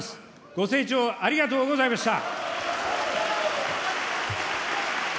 ご清聴ありがとうございました。